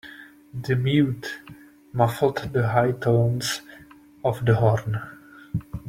The mute muffled the high tones of the horn.